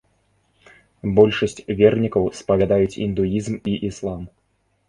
Большасць вернікаў спавядаюць індуізм і іслам.